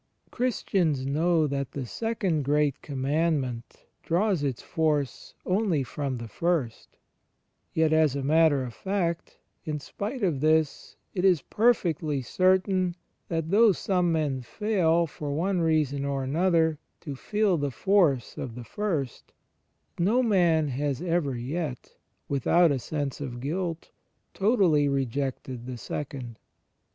Christians know that the Second Great Commandment draws its force only from the First; yet, as a matter of fact, in spite of this, it is perfectly certain that though some men fail, for one reason or another, to feel the force of the First, no man has ever yet, with out a sense of guilt, totally rejected the Second.